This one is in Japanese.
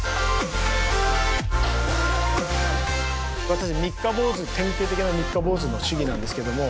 私三日坊主典型的な三日坊主の主義なんですけども。